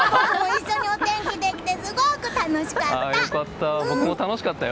一緒にお天気ができてすごく楽しかった！